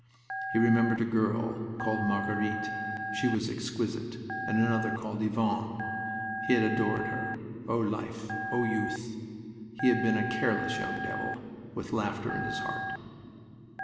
He remembered a girl called Marguerite she was exquisite; and another called Yvonne he had adored her. O life! O youth!... He had been a careless young devil, with laughter in his heart....